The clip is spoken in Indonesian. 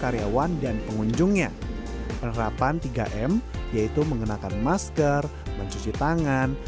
dan menjaga jarak membuat pengunjung aman dan nyaman saat menikmati masakan khas manado yang penuh dengan kemampuan